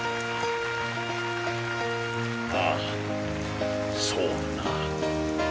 ああそうだな。